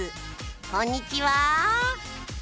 こんにちは。